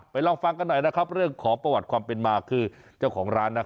ไปลองฟังกันหน่อยครับจะขอบขวัดความเป็นมาคือเจ้าของร้านนะฮะ